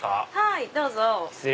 はいどうぞ。